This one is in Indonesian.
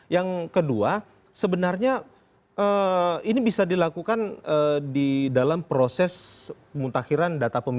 yang kedua sebenarnya ini bisa dilakukan